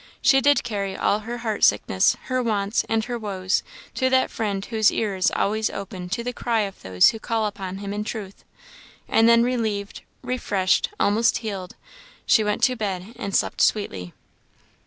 She did carry all her heart sickness, her wants, and her woes, to that Friend whose ear is always open to hear the cry of those who call upon Him in truth; and then, relieved, refreshed, almost healed, she went to bed and slept sweetly.